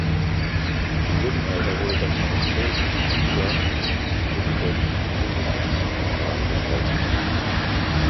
Im Mittelalter wurde das Castel di Decima mit den dazugehörigen Befestigungsanlagen gebaut.